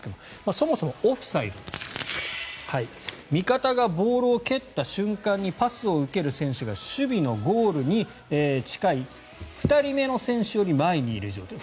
そもそもオフサイド味方がボールを蹴った瞬間にパスを受ける選手が守備のゴールに近い２人目の選手より前にいる状態